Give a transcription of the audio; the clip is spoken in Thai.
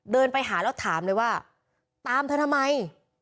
เดินไปหาแล้วถามเลยว่าตามเธอทำไม